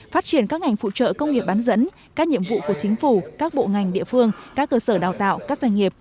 phát triển các ngành phụ trợ công nghiệp bán dẫn các nhiệm vụ của chính phủ các bộ ngành địa phương các cơ sở đào tạo các doanh nghiệp